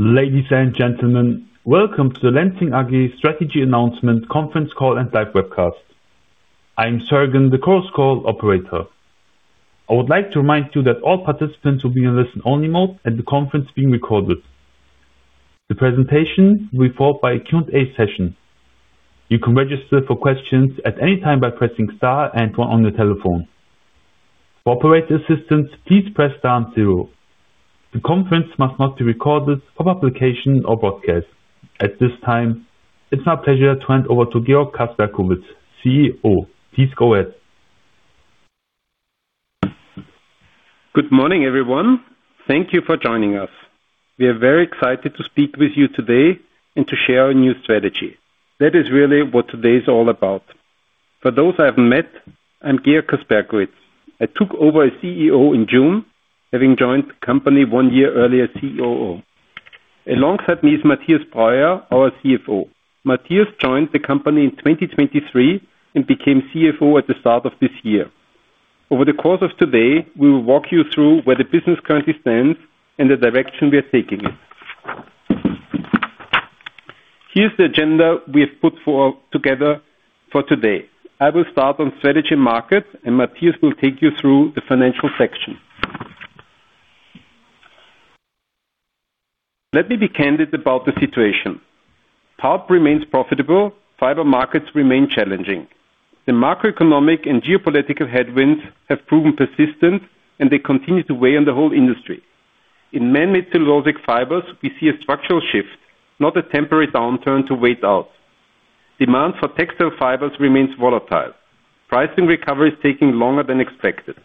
Ladies and gentlemen, welcome to the Lenzing AG strategy announcement conference call and live webcast. I am Sergen, the Chorus Call operator. I would like to remind you that all participants will be in listen-only mode and the conference is being recorded. The presentation will be followed by a Q and A session. You can register for questions at any time by pressing star and one on your telephone. For operator assistance, please press star and zero. The conference must not be recorded for publication or broadcast. At this time, it's my pleasure to hand over to Georg Kasperkovitz, CEO. Please go ahead. Good morning, everyone. Thank you for joining us. We are very excited to speak with you today and to share our new strategy. That is really what today is all about. For those I haven't met, I'm Georg Kasperkovitz. I took over as CEO in June, having joined the company one year earlier as COO. Alongside me is Mathias Breuer, our CFO. Mathias joined the company in 2023 and became CFO at the start of this year. Over the course of today, we will walk you through where the business currently stands and the direction we are taking it. Here is the agenda we have put together for today. I will start on strategy markets, and Mathias will take you through the financial section. Let me be candid about the situation. Pulp remains profitable, fiber markets remain challenging. The macroeconomic and geopolitical headwinds have proven persistent. They continue to weigh on the whole industry. In man-made cellulosic fibers, we see a structural shift, not a temporary downturn to wait out. Demand for textile fibers remains volatile. Pricing recovery is taking longer than expected.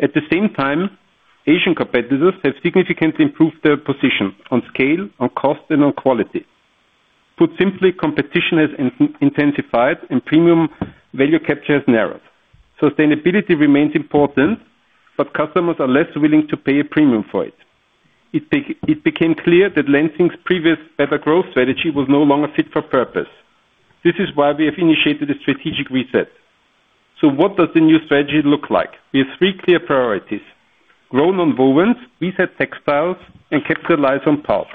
At the same time, Asian competitors have significantly improved their position on scale, on cost, and on quality. Put simply, competition has intensified and premium value capture has narrowed. Sustainability remains important. Customers are less willing to pay a premium for it. It became clear that Lenzing's previous Better Growth strategy was no longer fit for purpose. This is why we have initiated a strategic reset. What does the new strategy look like? We have three clear priorities. Grow nonwovens, reset textiles, and capitalize on pulp.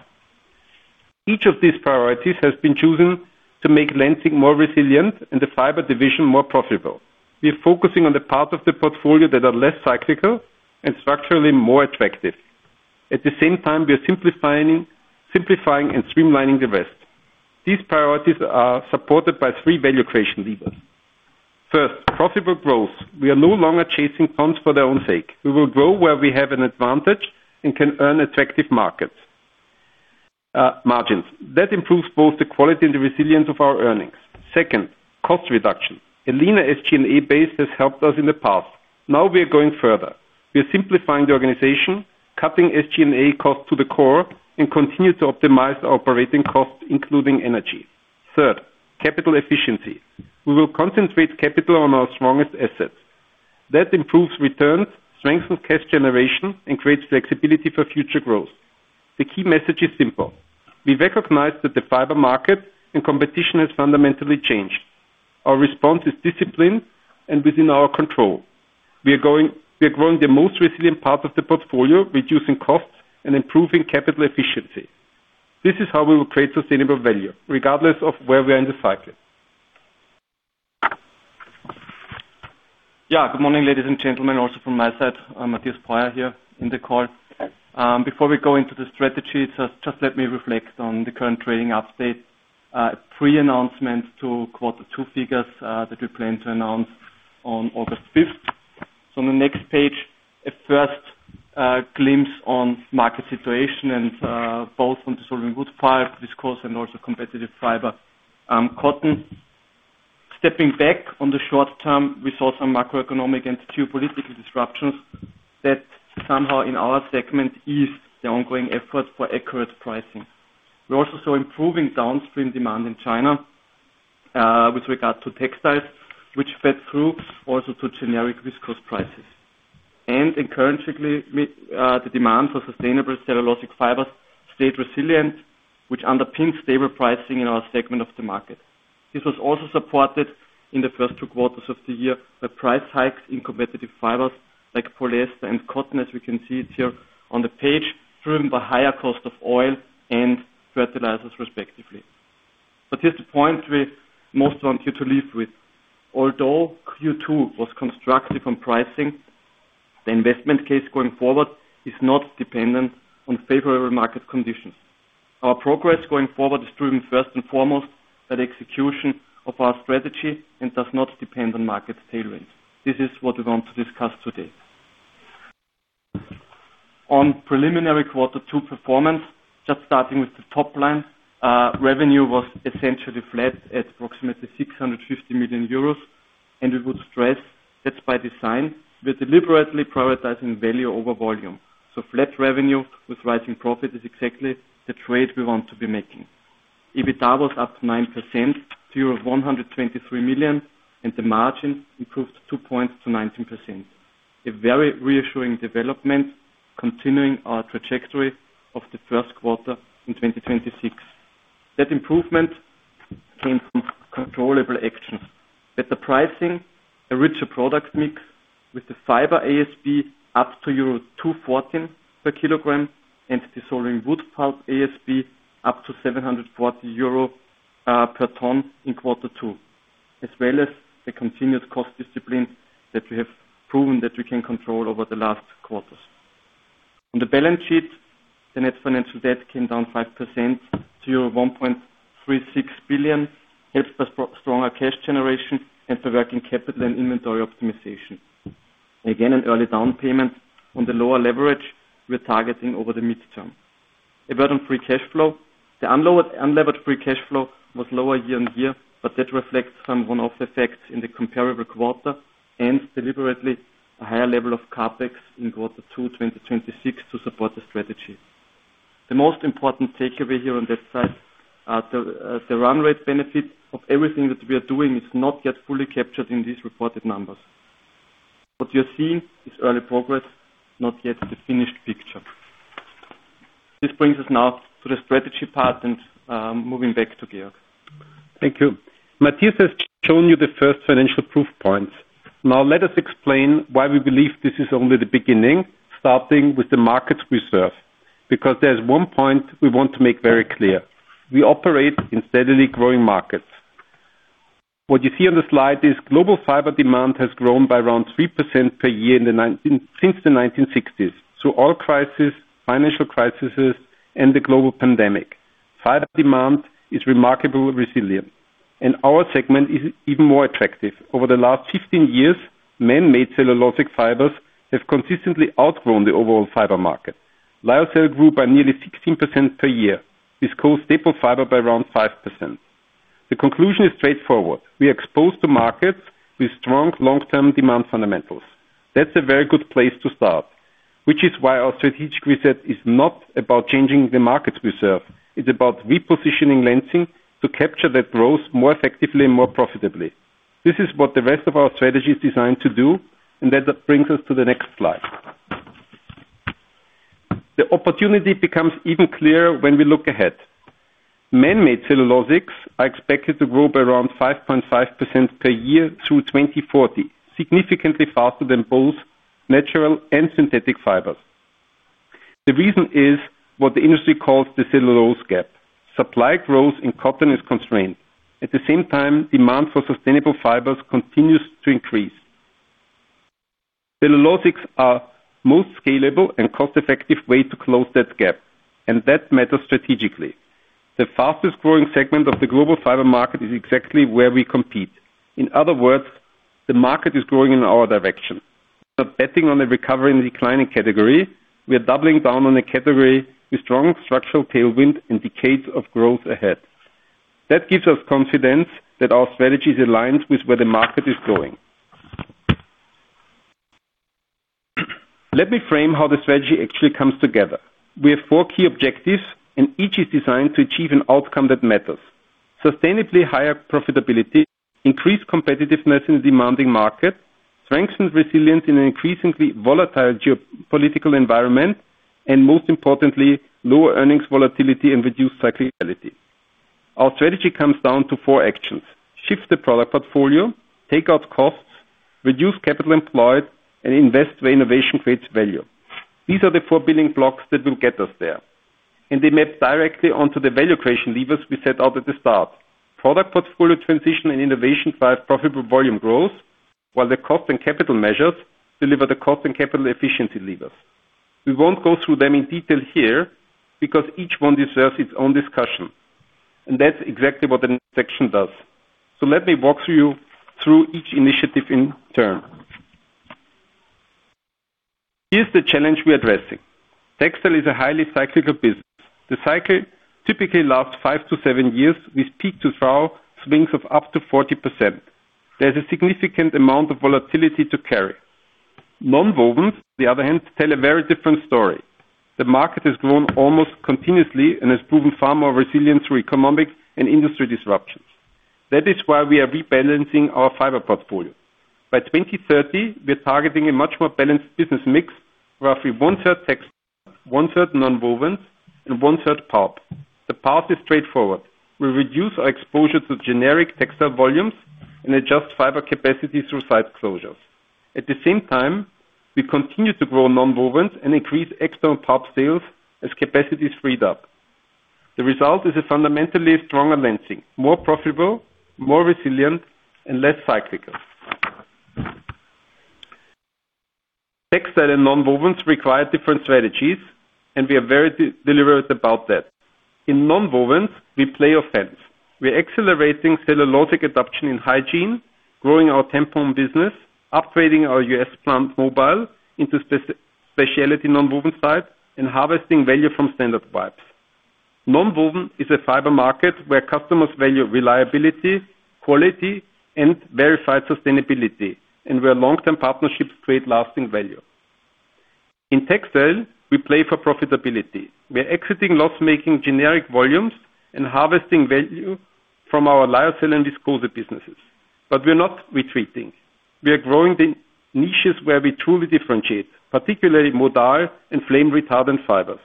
Each of these priorities has been chosen to make Lenzing more resilient and the Fiber Division more profitable. We are focusing on the parts of the portfolio that are less cyclical and structurally more attractive. At the same time, we are simplifying and streamlining the rest. These priorities are supported by three value creation levers. First, profitable growth. We are no longer chasing tons for their own sake. We will grow where we have an advantage and can earn attractive margins. That improves both the quality and the resilience of our earnings. Second, cost reduction. A leaner SG&A base has helped us in the past. Now we are going further. We are simplifying the organization, cutting SG&A costs to the core, and continue to optimize our operating costs, including energy. Third, capital efficiency. We will concentrate capital on our strongest assets. That improves returns, strengthens cash generation, and creates flexibility for future growth. The key message is simple. We recognize that the fiber market and competition has fundamentally changed. Our response is discipline and within our control. We are growing the most resilient part of the portfolio, reducing costs and improving capital efficiency. This is how we will create sustainable value, regardless of where we are in the cycle. Good morning, ladies and gentlemen, also from my side. Mathias Breuer here in the call. Before we go into the strategy, just let me reflect on the current trading update. Pre-announcement to quarter two figures that we plan to announce on August 5th. On the next page, a first glimpse on market situation and both on dissolving wood pulp, viscose, and also competitive fiber, cotton. Stepping back on the short term, we saw some macroeconomic and geopolitical disruptions that somehow in our segment eased the ongoing effort for accurate pricing. We also saw improving downstream demand in China, with regard to textiles, which fed through also to generic viscose prices. Encouragingly, the demand for sustainable cellulosic fibers stayed resilient, which underpins stable pricing in our segment of the market. This was also supported in the first two quarters of the year by price hikes in competitive fibers like polyester and cotton, as we can see it here on the page, driven by higher cost of oil and fertilizers, respectively. Here's the point we most want you to leave with. Although Q2 was constructive on pricing, the investment case going forward is not dependent on favorable market conditions. Our progress going forward is driven first and foremost by the execution of our strategy and does not depend on market tailwinds. This is what we want to discuss today. On preliminary quarter two performance, just starting with the top line, revenue was essentially flat at approximately 650 million euros. We would stress that's by design. We're deliberately prioritizing value over volume. Flat revenue with rising profit is exactly the trade we want to be making. EBITDA was up 9% to 123 million. The margin improved two points to 19%. A very reassuring development, continuing our trajectory of the first quarter in 2026. That improvement came from controllable actions. Better pricing, a richer product mix with the fiber ASP up to euro 2.14 per kilogram, and dissolving wood pulp ASP up to 740 euro per ton in quarter two, as well as the continued cost discipline that we have proven that we can control over the last quarters. On the balance sheet, the net financial debt came down 5% to euro 1.36 billion, helped by stronger cash generation and through working capital and inventory optimization. Again, an early down payment on the lower leverage we're targeting over the midterm. A word on free cash flow. The unlevered free cash flow was lower year-over-year. That reflects some one-off effects in the comparable quarter and deliberately a higher level of CapEx in quarter two 2026 to support the strategy. The most important takeaway here on that side, the run rate benefit of everything that we are doing is not yet fully captured in these reported numbers. What you are seeing is early progress, not yet the finished picture. This brings us now to the strategy part and moving back to Georg. Thank you. Mathias has shown you the first financial proof points. Let us explain why we believe this is only the beginning, starting with the markets we serve. There's one point we want to make very clear. We operate in steadily growing markets. What you see on the slide is global fiber demand has grown by around 3% per year since the 1960s. Oil crisis, financial crises, and the global pandemic, fiber demand is remarkably resilient. Our segment is even more attractive. Over the last 15 years, man-made cellulosic fibers have consistently outgrown the overall fiber market. Lyocell grew by nearly 16% per year, viscose staple fiber by around 5%. The conclusion is straightforward. We expose the markets with strong long-term demand fundamentals. That's a very good place to start, which is why our strategic reset is not about changing the markets we serve. It's about repositioning Lenzing to capture that growth more effectively and more profitably. This is what the rest of our strategy is designed to do. That brings us to the next slide. The opportunity becomes even clearer when we look ahead. Man-made cellulosics are expected to grow by around 5.5% per year through 2040, significantly faster than both natural and synthetic fibers. The reason is what the industry calls the cellulose gap. Supply growth in cotton is constrained. At the same time, demand for sustainable fibers continues to increase. Cellulosics are most scalable and cost-effective way to close that gap. That matters strategically. The fastest-growing segment of the global fiber market is exactly where we compete. In other words, the market is growing in our direction. Not betting on a recovery and declining category, we are doubling down on a category with strong structural tailwind and decades of growth ahead. That gives us confidence that our strategy is aligned with where the market is going. Let me frame how the strategy actually comes together. We have four key objectives, and each is designed to achieve an outcome that matters. Sustainably higher profitability, increased competitiveness in a demanding market, strengthened resilience in an increasingly volatile geopolitical environment, and most importantly, lower earnings volatility and reduced cyclicality. Our strategy comes down to four actions. Shift the product portfolio, take out costs, reduce capital employed, and invest where innovation creates value. These are the four building blocks that will get us there. They map directly onto the value creation levers we set out at the start. Product portfolio transition and innovation drive profitable volume growth, while the cost and capital measures deliver the cost and capital efficiency levers. We won't go through them in detail here because each one deserves its own discussion, and that's exactly what the next section does. Let me walk you through each initiative in turn. Here's the challenge we're addressing. Textile is a highly cyclical business. The cycle typically lasts five to seven years, with peak to trough swings of up to 40%. There's a significant amount of volatility to carry. Nonwovens, on the other hand, tell a very different story. The market has grown almost continuously and has proven far more resilient through economic and industry disruptions. That is why we are rebalancing our fiber portfolio. By 2030, we are targeting a much more balanced business mix, roughly 1/3 textile, 1/3 nonwovens, and 1/3 pulp. The path is straightforward. We reduce our exposure to generic textile volumes and adjust fiber capacity through site closures. At the same time, we continue to grow nonwovens and increase external pulp sales as capacity is freed up. The result is a fundamentally stronger Lenzing, more profitable, more resilient, and less cyclical. Textile and nonwovens require different strategies, and we are very deliberate about that. In nonwovens, we play offense. We are accelerating cellulosic adoption in hygiene, growing our TENCEL business, upgrading our U.S. plant, Mobile, into specialty nonwoven site, and harvesting value from standard wipes. Nonwoven is a fiber market where customers value reliability, quality, and verified sustainability and where long-term partnerships create lasting value. In textile, we play for profitability. We are exiting loss-making generic volumes and harvesting value from our lyocell and viscose businesses. We are not retreating. We are growing the niches where we truly differentiate, particularly modal and flame-retardant fibers.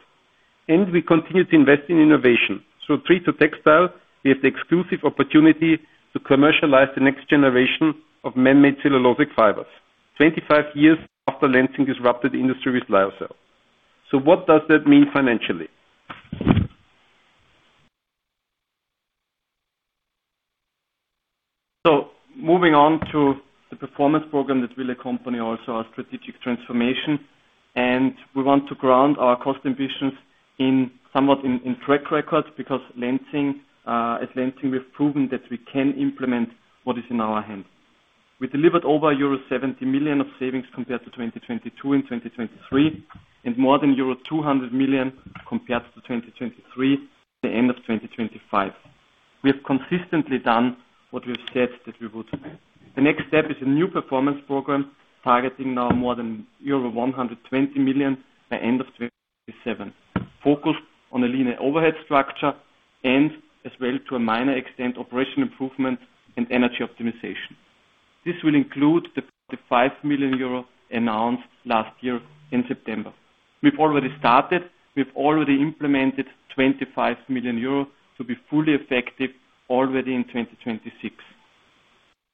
We continue to invest in innovation. TreeToTextile, we have the exclusive opportunity to commercialize the next generation of man-made cellulosic fibers, 25 years after Lenzing disrupted the industry with lyocell. What does that mean financially? Moving on to the performance program that will accompany also our strategic transformation, we want to ground our cost ambitions somewhat in track records, because at Lenzing, we've proven that we can implement what is in our hands. We delivered over euro 70 million of savings compared to 2022 and 2023, and more than euro 200 million compared to 2023 to the end of 2025. We have consistently done what we have said that we would do. The next step is a new performance program targeting now more than 120 million by end of 2027, focused on a leaner overhead structure and as well, to a minor extent, operational improvement and energy optimization. This will include the 35 million euro announced last year in September. We've already started. We've already implemented 25 million euros to be fully effective already in 2026.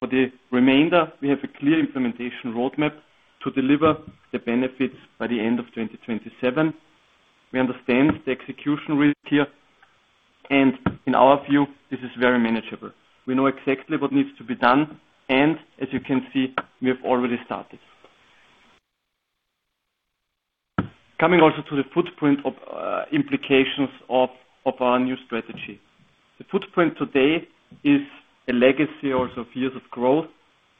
For the remainder, we have a clear implementation roadmap to deliver the benefits by the end of 2027. We understand the execution risk here, and in our view, this is very manageable. We know exactly what needs to be done, and as you can see, we have already started. Coming also to the footprint of implications of our new strategy. The footprint today is a legacy also of years of growth.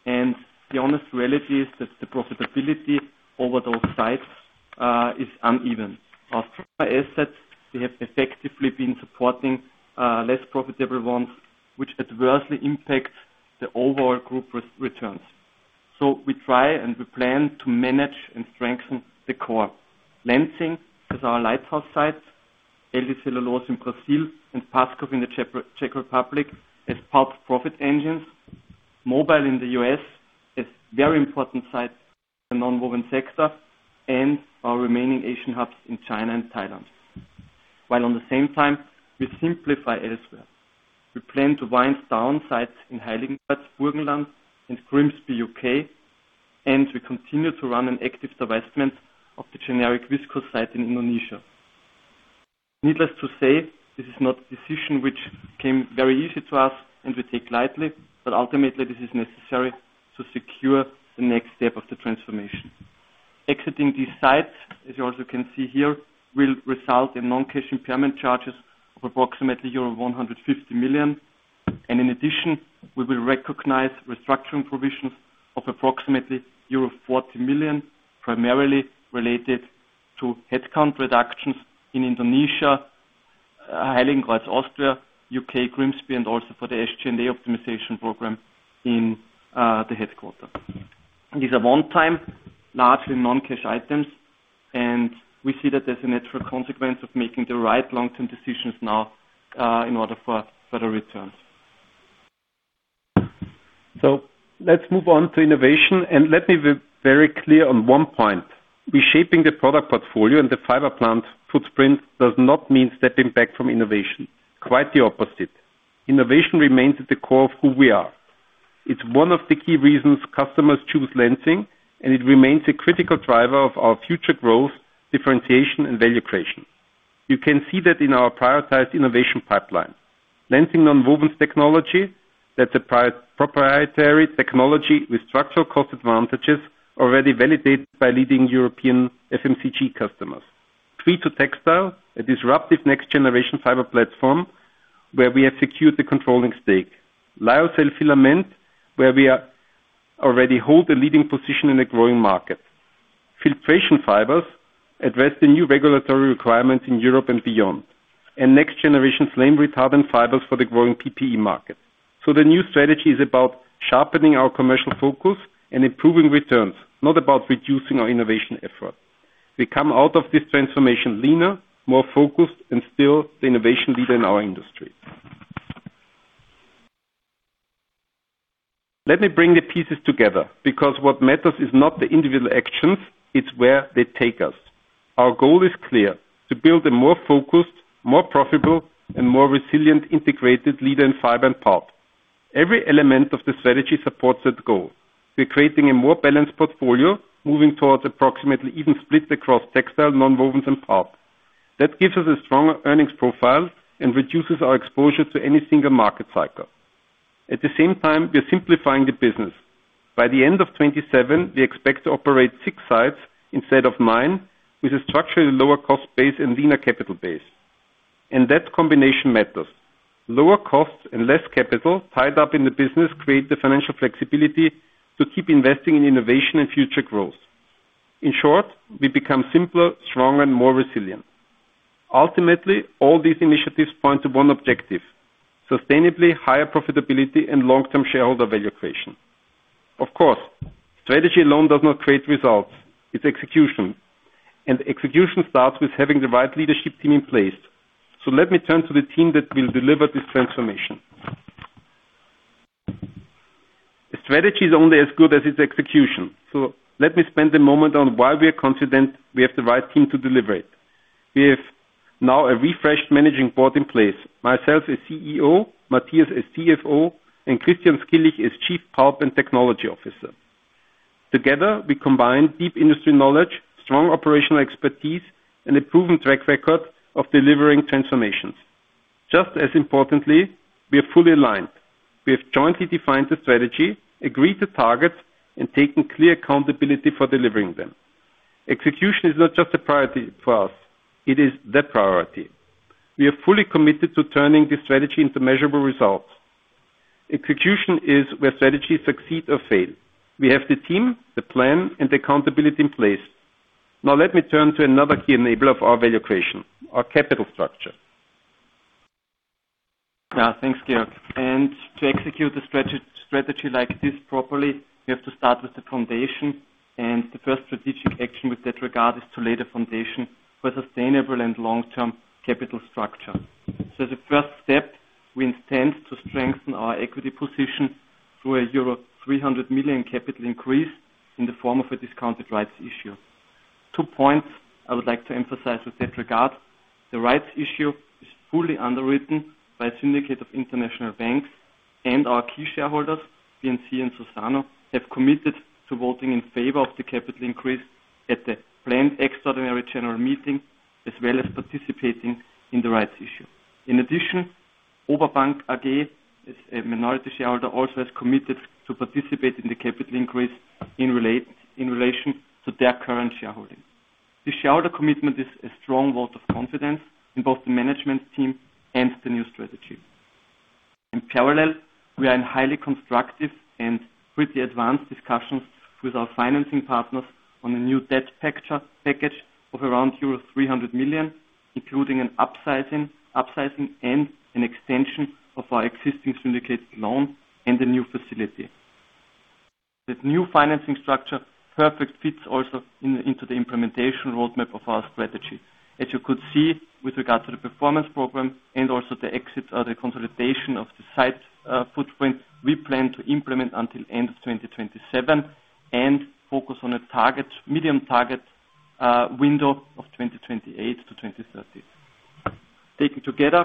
The honest reality is that the profitability over those sites is uneven. Our assets, we have effectively been supporting less profitable ones, which adversely impacts the overall group returns. We try and plan to manage and strengthen the core. Lenzing is our lighthouse site, LD Celulose in Brazil, and Paskov in the Czech Republic as pulp profit engines. Mobile in the U.S. is very important site for nonwovens sector and our remaining Asian hubs in China and Thailand. While at the same time, we simplify elsewhere. We plan to wind down sites in Heiligenkreuz, Burgenland and Grimsby, U.K., and we continue to run an active divestment of the generic viscose site in Indonesia. Needless to say, this is not a decision which came very easy to us and we take lightly, ultimately, this is necessary to secure the next step of the transformation. Exiting these sites, as you also can see here, will result in non-cash impairment charges of approximately euro 150 million. In addition, we will recognize restructuring provisions of approximately euro 40 million, primarily related to headcount reductions in Indonesia, Heiligenkreuz, Austria, U.K., Grimsby, and also for the SG&A optimization program in the headquarter. These are one-time, largely non-cash items, we see that as a natural consequence of making the right long-term decisions now, in order for better returns. Let's move on to innovation, and let me be very clear on one point. Reshaping the product portfolio and the fiber plant footprint does not mean stepping back from innovation. Quite the opposite. Innovation remains at the core of who we are. It's one of the key reasons customers choose Lenzing, and it remains a critical driver of our future growth, differentiation, and value creation. You can see that in our prioritized innovation pipeline. Lenzing Nonwovens Technology, that's a proprietary technology with structural cost advantages already validated by leading European FMCG customers. TreeToTextile, a disruptive next-generation fiber platform where we have secured the controlling stake. Lyocell filament, where we already hold the leading position in a growing market. Filtration fibers address the new regulatory requirements in Europe and beyond. Next-generation flame-retardant fibers for the growing PPE market. The new strategy is about sharpening our commercial focus and improving returns, not about reducing our innovation effort. We come out of this transformation leaner, more focused, and still the innovation leader in our industry. Let me bring the pieces together, because what matters is not the individual actions, it's where they take us. Our goal is clear: to build a more focused, more profitable, and more resilient integrated leader in fiber and pulp. Every element of the strategy supports that goal. We're creating a more balanced portfolio, moving towards approximately even split across textile, nonwovens, and pulp. That gives us a stronger earnings profile and reduces our exposure to any single market cycle. At the same time, we are simplifying the business. By the end of 2027, we expect to operate six sites instead of nine, with a structurally lower cost base and leaner capital base. That combination matters. Lower costs and less capital tied up in the business create the financial flexibility to keep investing in innovation and future growth. In short, we become simpler, stronger, and more resilient. Ultimately, all these initiatives point to one objective: sustainably higher profitability and long-term shareholder value creation. Of course, strategy alone does not create results. It's execution. Execution starts with having the right leadership team in place. Let me turn to the team that will deliver this transformation. A strategy is only as good as its execution. Let me spend a moment on why we are confident we have the right team to deliver it. We have now a refreshed managing board in place, myself as CEO, Mathias as CFO, and Christian Skilich as Chief Pulp and Technology Officer. Together, we combine deep industry knowledge, strong operational expertise, and a proven track record of delivering transformations. Just as importantly, we are fully aligned. We have jointly defined the strategy, agreed to targets, and taken clear accountability for delivering them. Execution is not just a priority for us, it is the priority. We are fully committed to turning this strategy into measurable results. Execution is where strategies succeed or fail. We have the team, the plan, and accountability in place. Now let me turn to another key enabler of our value creation, our capital structure. Thanks, Georg. To execute a strategy like this properly, we have to start with the foundation. The first strategic action with that regard is to lay the foundation for sustainable and long-term capital structure. The first step, we intend to strengthen our equity position through a euro 300 million capital increase in the form of a discounted rights issue. Two points I would like to emphasize with that regard. The rights issue is fully underwritten by a syndicate of international banks and our key shareholders, B&C and Suzano, have committed to voting in favor of the capital increase at the planned extraordinary general meeting, as well as participating in the rights issue. In addition, Oberbank AG as a minority shareholder, also has committed to participate in the capital increase in relation to their current shareholding. The shareholder commitment is a strong vote of confidence in both the management team and the new strategy. In parallel, we are in highly constructive and pretty advanced discussions with our financing partners on a new debt package of around euro 300 million, including an upsizing and an extension of our existing syndicated loan and a new facility. This new financing structure perfect fits also into the implementation roadmap of our strategy. As you could see with regard to the performance program and also the exit or the consolidation of the site footprint we plan to implement until end of 2027 and focus on a medium target window of 2028-2030. Taken together,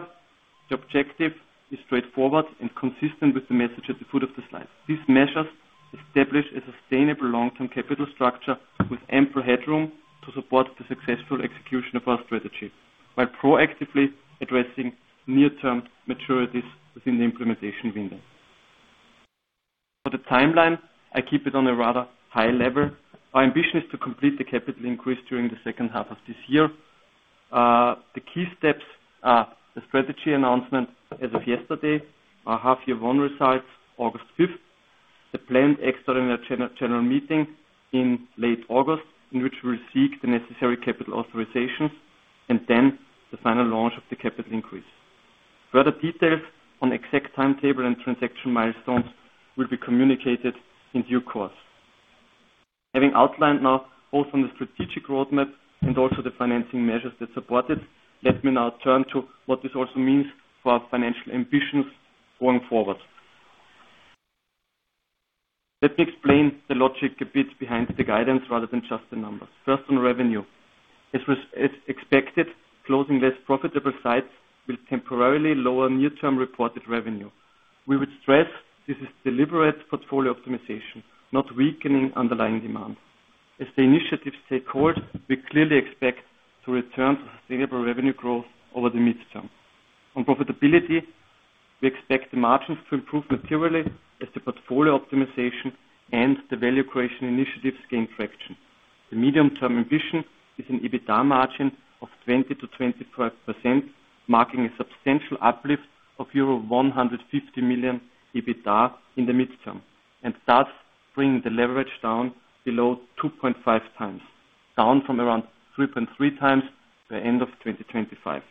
the objective is straightforward and consistent with the message at the foot of the slide. These measures establish a sustainable long-term capital structure with ample headroom to support the successful execution of our strategy while proactively addressing near-term maturities within the implementation window. For the timeline, I keep it on a rather high level. Our ambition is to complete the capital increase during the second half of this year. The key steps are the strategy announcement as of yesterday, our half-year one results, August 5th, the planned extraordinary general meeting in late August, in which we'll seek the necessary capital authorizations. Then the final launch of the capital increase. Further details on exact timetable and transaction milestones will be communicated in due course. Having outlined now both on the strategic roadmap and also the financing measures that support it, let me now turn to what this also means for our financial ambitions going forward. Let me explain the logic a bit behind the guidance rather than just the numbers. First, on revenue. As expected, closing less profitable sites will temporarily lower near-term reported revenue. We would stress this is deliberate portfolio optimization, not weakening underlying demand. As the initiatives take hold, we clearly expect to return to sustainable revenue growth over the midterm. On profitability, we expect the margins to improve materially as the portfolio optimization and the value creation initiatives gain traction. The medium-term ambition is an EBITDA margin of 20%-25%, marking a substantial uplift of euro 150 million EBITDA in the midterm, thus bringing the leverage down below 2.5x, down from around 3.3x by end of 2025.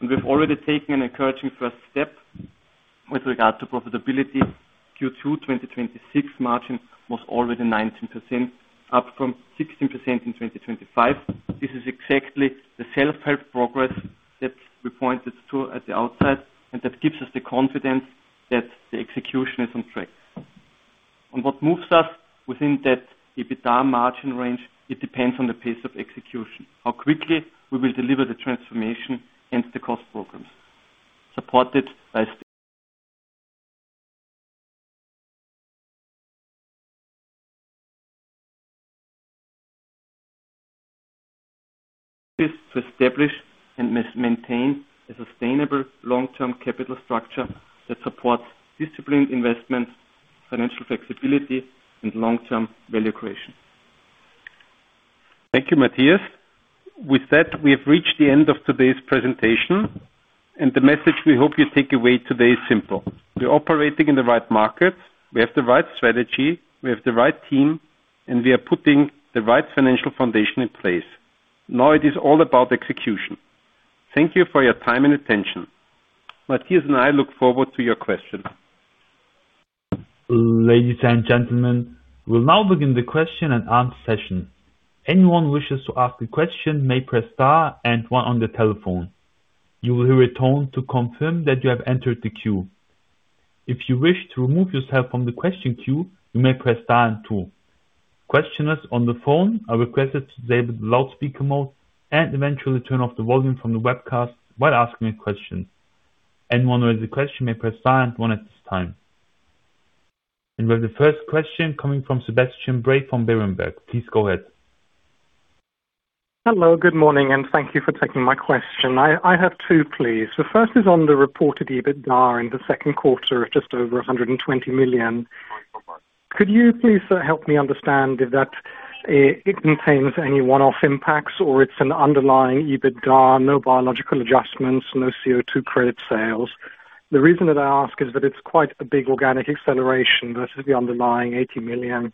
We've already taken an encouraging first step with regard to profitability. Q2 2026 margin was already 19%, up from 16% in 2025. This is exactly the self-help progress that we pointed to at the outset, that gives us the confidence that the execution is on track. On what moves us within that EBITDA margin range, it depends on the pace of execution, how quickly we will deliver the transformation and the cost programs. This to establish and maintain a sustainable long-term capital structure that supports disciplined investment, financial flexibility, and long-term value creation. Thank you, Mathias. With that, we have reached the end of today's presentation. The message we hope you take away today is simple. We are operating in the right market. We have the right strategy. We have the right team, we are putting the right financial foundation in place. Now it is all about execution. Thank you for your time and attention. Mathias and I look forward to your questions. Ladies and gentlemen, we will now begin the question and answer session. Anyone who wishes to ask a question may press star and one on their telephone. You will hear a tone to confirm that you have entered the queue. If you wish to remove yourself from the question queue, you may press star and two. Questioners on the phone are requested to disable the loudspeaker mode and eventually turn off the volume from the webcast while asking a question. Anyone who has a question may press star and one at this time. With the first question coming from Sebastian Bray from Berenberg. Please go ahead. Hello. Good morning, and thank you for taking my question. I have two, please. The first is on the reported EBITDA in the second quarter of just over 120 million. Could you please help me understand if it contains any one-off impacts or it is an underlying EBITDA, no biological adjustments, no CO2 credit sales? The reason that I ask is that it is quite a big organic acceleration versus the underlying 80 million.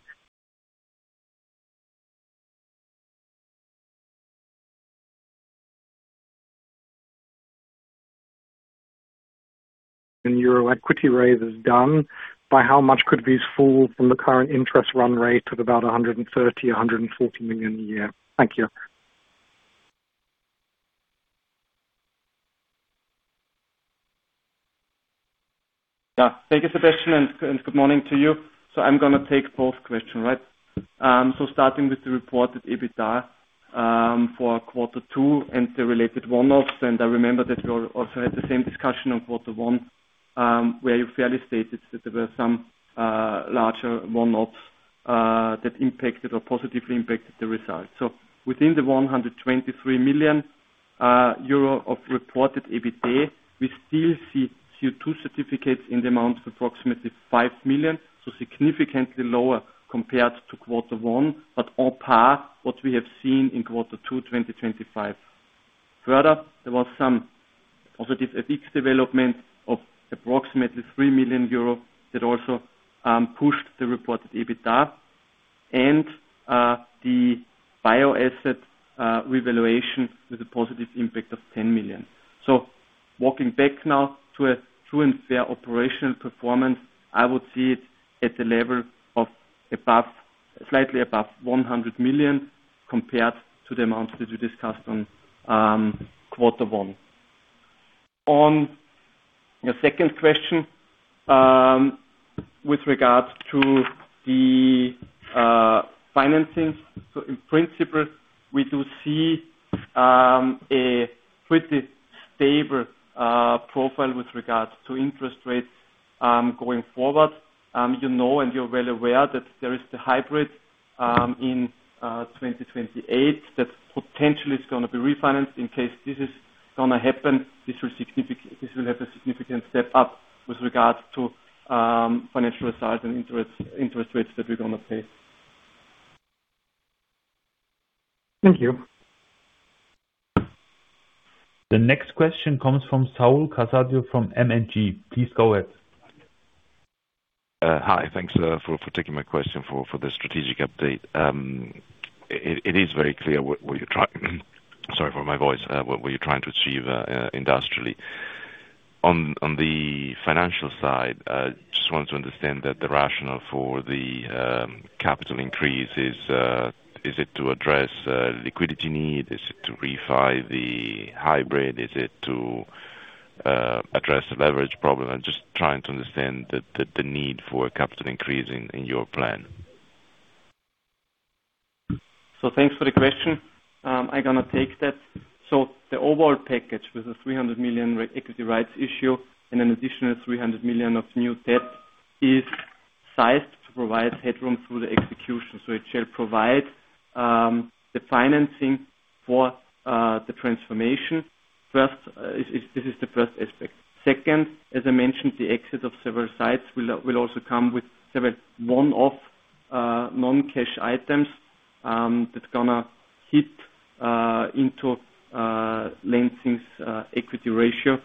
EUR equity raise is done, by how much could these fall from the current interest run rate of about 130 million-140 million a year? Thank you. Thank you, Sebastian, and good morning to you. I am going to take both questions, right? Starting with the reported EBITDA, for quarter two and the related one-offs, I remember that we also had the same discussion on quarter one, where you fairly stated that there were some larger one-offs that impacted or positively impacted the results. Within the 123 million euro of reported EBITDA, we still see CO2 certificates in the amount of approximately 5 million, significantly lower compared to quarter one, but on par what we have seen in quarter two 2025. Further, there was some positive EBIT development of approximately 3 million euros that also pushed the reported EBITDA and the biological asset revaluation with a positive impact of 10 million. Walking back now to a true and fair operational performance, I would see it at the level of slightly above 100 million compared to the amount that we discussed on quarter one. On your second question, with regards to the financings. In principle, we do see a pretty stable profile with regards to interest rates, going forward. You know and you're well aware that there is the hybrid in 2028 that potentially is going to be refinanced. In case this is going to happen, this will have a significant step up with regards to financial results and interest rates that we're going to face. Thank you. The next question comes from Saul Casadio from M&G. Please go ahead. Hi. Thanks for taking my question for the strategic update. It is very clear what you're trying to achieve industrially. On the financial side, just wanted to understand that the rationale for the capital increase is it to address liquidity need? Is it to refi the hybrid? Is it to address a leverage problem? I'm just trying to understand the need for a capital increase in your plan. Thanks for the question. I'm gonna take that. The overall package with the 300 million equity rights issue and an additional 300 million of new debt is sized to provide headroom through the execution. It should provide the financing for the transformation. This is the first aspect. Second, as I mentioned, the exit of several sites will also come with several one-off non-cash items that's gonna hit into Lenzing's equity ratio.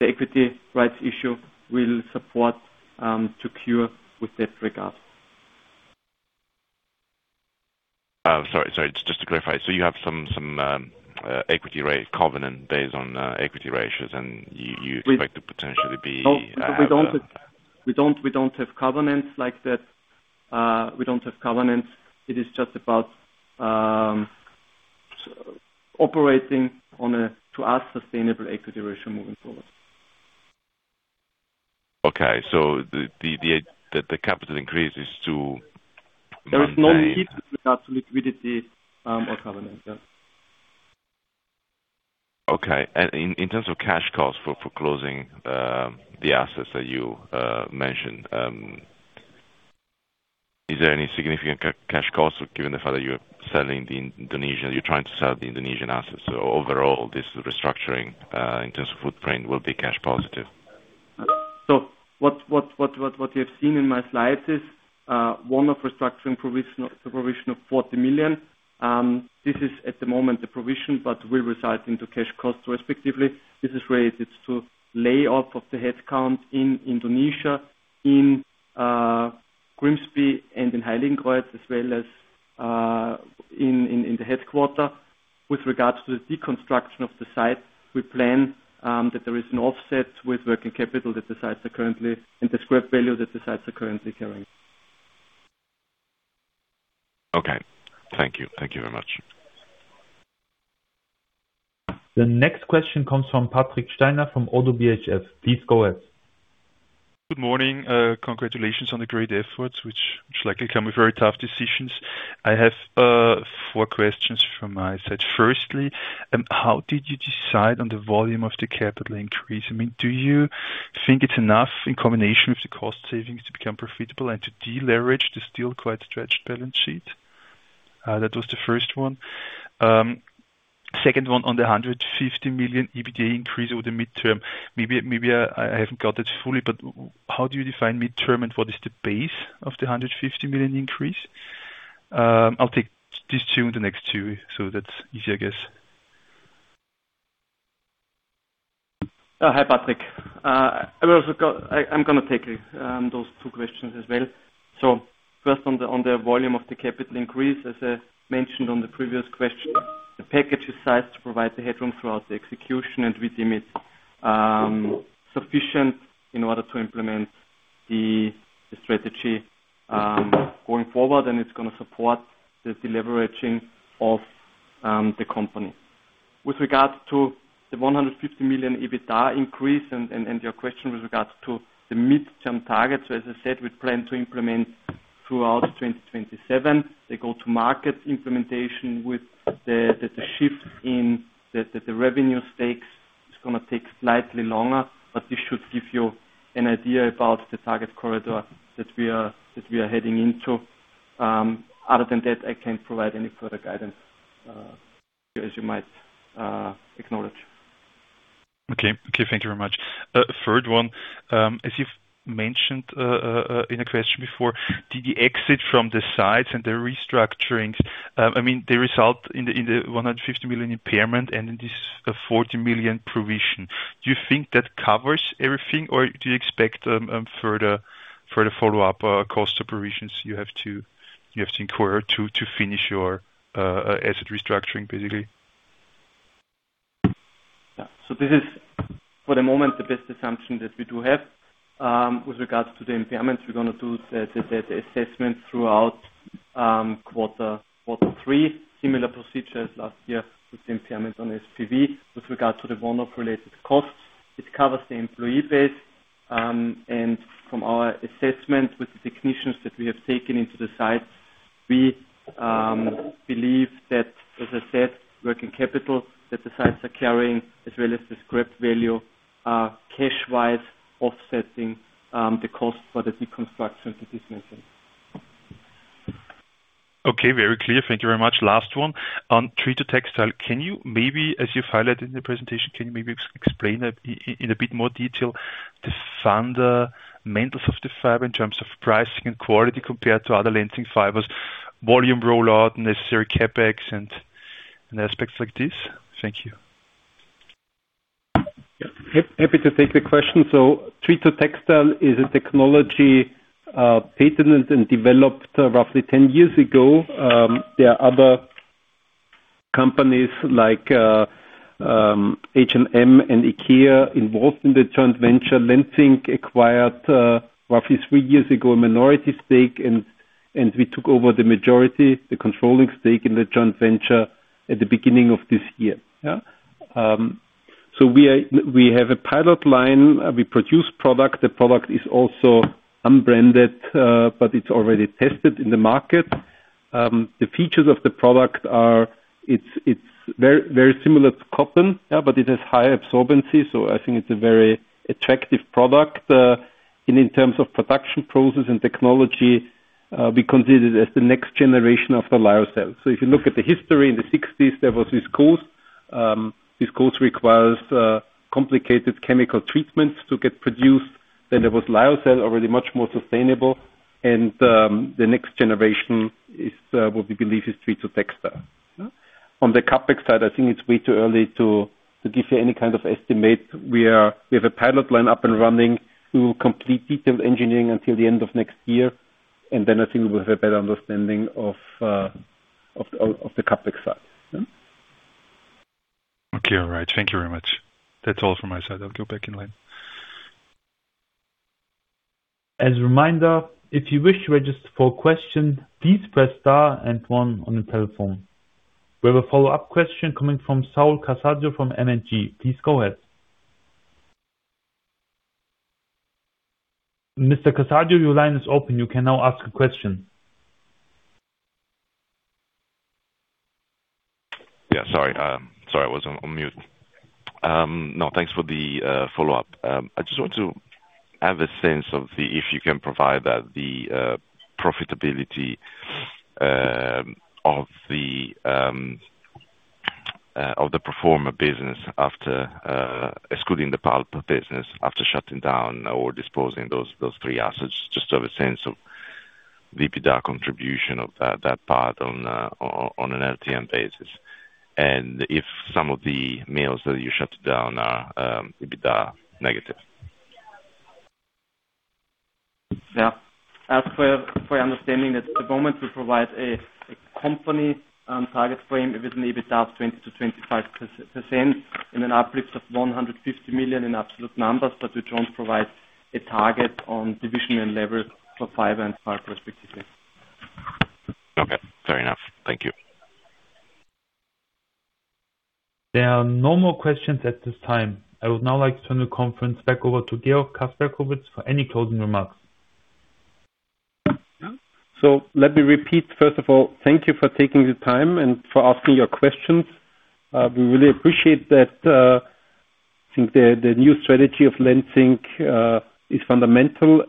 The equity rights issue will support to cure with that regard. Sorry, just to clarify. You have some equity ratio covenant based on equity ratios, and you expect to potentially be. We don't have covenants like that. We don't have covenants. It is just about operating on a sustainable equity ratio moving forward. Okay. The capital increase is to maintain. There is no need with regards to liquidity or covenant. Yeah. Okay. In terms of cash costs for closing the assets that you mentioned, is there any significant cash costs given the fact that you're trying to sell the Indonesian assets, overall this restructuring, in terms of footprint, will be cash positive? What you have seen in my slides is, one of restructuring provision of 40 million. This is at the moment the provision, but will result into cash costs respectively. This is related to layoff of the headcount in Indonesia in Grimsby and in Heiligenkreuz, as well as in the headquarter. With regards to the deconstruction of the site, we plan that there is an offset with working capital that the sites are currently, and the scrap value that the sites are currently carrying. Okay. Thank you. Thank you very much. The next question comes from Patrick Steiner from ODDO BHF. Please go ahead. Good morning. Congratulations on the great efforts, which likely come with very tough decisions. I have four questions from my side. Firstly, how did you decide on the volume of the capital increase? Do you think it's enough in combination with the cost savings, to become profitable and to de-leverage the still quite stretched balance sheet? That was the first one. Second one on the 150 million EBITDA increase over the midterm. Maybe I haven't got it fully, but how do you define midterm and what is the base of the 150 million increase? I'll take these two and the next two, that's easier, I guess. Hi, Patrick. I'm gonna take those two questions as well. First on the volume of the capital increase, as I mentioned on the previous question, the package is sized to provide the headroom throughout the execution, and we deem it sufficient in order to implement the strategy going forward. It's going to support the deleveraging of the company. With regards to the 150 million EBITDA increase and your question with regards to the midterm targets. As I said, we plan to implement throughout 2027, the go-to-market implementation with the shift in the revenue stakes is going to take slightly longer, but this should give you an idea about the target corridor that we are heading into. Other than that, I can't provide any further guidance, as you might acknowledge. Okay. Thank you very much. Third one, as you've mentioned in a question before, did the exit from the sites and the restructurings, they result in the 150 million impairment and in this 40 million provision. Do you think that covers everything or do you expect further follow-up cost provisions you have to incur to finish your asset restructuring, basically? Yeah. This is, for the moment, the best assumption that we do have. With regards to the impairments, we're going to do the assessment throughout quarter three. Similar procedures last year with the impairments on SPV. With regard to the one-off related costs, it covers the employee base. From our assessment with the technicians that we have taken into the sites, we believe that, as I said, working capital that the sites are carrying, as well as the scrap value, are cash-wise offsetting the cost for the deconstruction, the dismantling. Okay. Very clear. Thank you very much. Last one. On TreeToTextile, as you've highlighted in the presentation, can you maybe explain in a bit more detail the fundamental of the fiber in terms of pricing and quality compared to other Lenzing fibers, volume rollout, necessary CapEx, and aspects like this? Thank you. Yeah. Happy to take the question. TreeToTextile is a technology patented and developed roughly 10 years ago. There are other companies like H&M and IKEA involved in the joint venture. Lenzing acquired, roughly three years ago, a minority stake, and we took over the majority, the controlling stake in the joint venture at the beginning of this year. We have a pilot line. We produce product. The product is also unbranded, but it's already tested in the market. The features of the product are, it's very similar to cotton, but it has high absorbency, so I think it's a very attractive product. In terms of production process and technology, we consider it as the next generation of the lyocell. If you look at the history, in the 1960s, there was viscose. Viscose requires complicated chemical treatments to get produced. Then there was lyocell, already much more sustainable. The next generation is what we believe is TreeToTextile. On the CapEx side, I think it's way too early to give you any kind of estimate. We have a pilot line up and running to complete detailed engineering until the end of next year, and then I think we will have a better understanding of the CapEx side. Okay. All right. Thank you very much. That's all from my side. I will go back in line. As a reminder, if you wish to register for a question, please press star and one on the telephone. We have a follow-up question coming from Saul Casadio from M&G. Please go ahead. Mr. Casadio, your line is open. You can now ask a question. Yeah, sorry. I was on mute. Thanks for the follow-up. I just want to have a sense of if you can provide the profitability of the fiber business after excluding the pulp business, after shutting down or disposing those three assets, just to have a sense of EBITDA contribution of that part on an LTM basis. If some of the mills that you shut down are EBITDA negative. Yeah. As for your understanding, at the moment, we provide a company target frame with an EBITDA of 20%-25% and an uplift of 150 million in absolute numbers. We don't provide a target on division and level for fiber and pulp respectively. Okay. Fair enough. Thank you. There are no more questions at this time. I would now like to turn the conference back over to Georg Kasperkovitz for any closing remarks. Let me repeat. First of all, thank you for taking the time and for asking your questions. We really appreciate that. I think the new strategy of Lenzing is fundamental.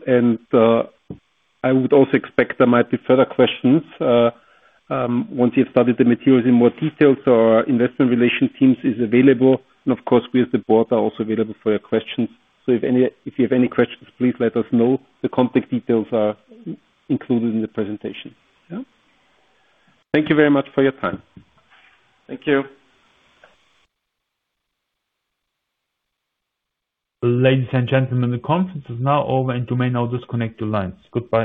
I would also expect there might be further questions. Once you have studied the materials in more detail, our investor relations team is available. Of course, we as the board are also available for your questions. If you have any questions, please let us know. The contact details are included in the presentation. Thank you very much for your time. Thank you. Ladies and gentlemen, the conference is now over, and you may now disconnect your lines. Goodbye.